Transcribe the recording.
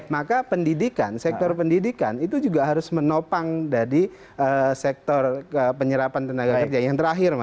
maka pendidikan sektor pendidikan itu juga harus menopang dari sektor penyerapan tenaga kerja yang terakhir